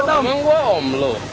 om terlalat om